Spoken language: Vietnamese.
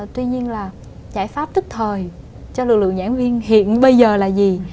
tuy nhiên là giải pháp tức thời cho lực lượng giảng viên hiện bây giờ là gì